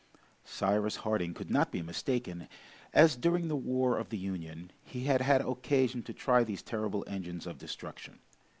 Cyrus Harding could not be mistaken, as, during the war of the Union, he had had occasion to try these terrible engines of destruction.